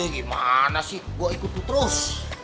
gimana sih gue ikut tuh terus